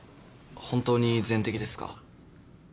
本当に全摘ですか？